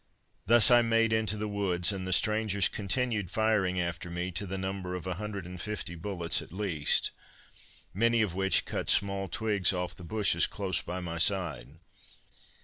Thus I made into the woods, and the strangers continued firing after me, to the number of 150 bullets at least, many of which cut small twigs off the bushes close by my side.